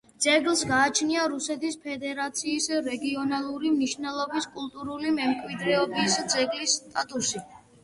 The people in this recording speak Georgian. ძეგლს გააჩნია რუსეთის ფედერაციის რეგიონალური მნიშვნელობის კულტურული მემკვიდრეობის ძეგლის სტატუსი.